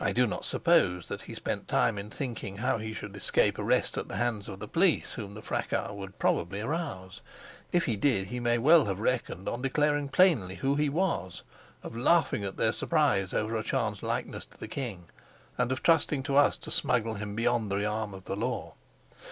I do not suppose that he spent time in thinking how he should escape arrest at the hands of the police whom the fracas would probably rouse; if he did, he may well have reckoned on declaring plainly who he was, of laughing at their surprise over a chance likeness to the king, and of trusting to us to smuggle him beyond the arm of the law.